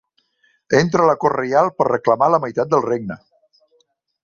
Entra a la cort reial per reclamar la meitat del regne.